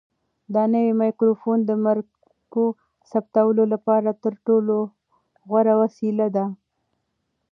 دا نوی مایکروفون د مرکو د ثبتولو لپاره تر ټولو غوره وسیله ده.